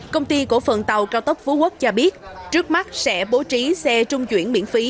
công ty cổ phận tàu cao tốc phú quốc cho biết trước mắt sẽ bố trí xe trung chuyển miễn phí